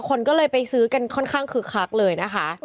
คนก็เลยไปซื้อกันค่อนข้างคึกคักเลยนะคะ